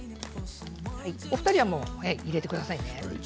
お二人はもう入れてくださいね。